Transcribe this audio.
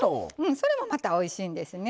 それもまたおいしいんですね。